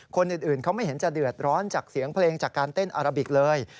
คนอื่นเขาไม่เห็นจะเดือดร้อนจากเสียงเพลงจากการเต้นอาราบิกเลย